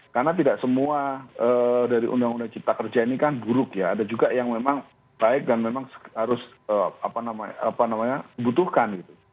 karena tidak semua dari undang undang cipta kerja ini kan buruk ya ada juga yang memang baik dan memang harus apa namanya butuhkan gitu